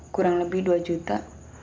kurang lebih dua juta